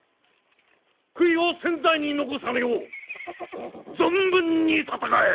悔いを千載に残さぬよう存分に戦え！